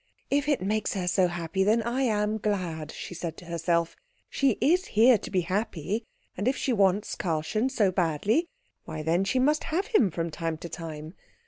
"If it makes her so happy, then I am glad," she said to herself. "She is here to be happy; and if she wants Karlchen so badly, why then she must have him from time to time.